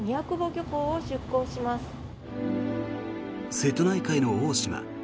瀬戸内海の大島。